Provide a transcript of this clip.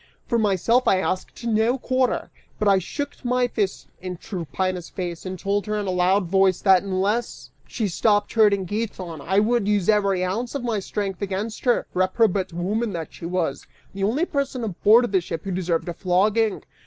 For myself I asked no quarter, but I shook my fists in Tryphaena's face, and told her in a loud voice that unless she stopped hurting Giton, I would use every ounce of my strength against her, reprobate woman that she was, the only person aboard the ship who deserved a flogging.